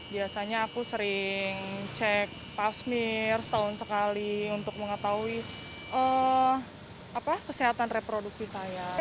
biasanya aku sering cek pafmir setahun sekali untuk mengetahui kesehatan reproduksi saya